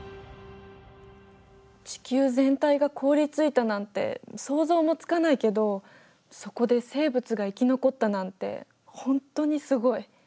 地球全体が凍りついたなんて想像もつかないけどそこで生物が生き残ったなんて本当にすごい。